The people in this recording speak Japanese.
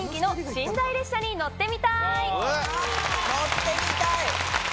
乗ってみたい！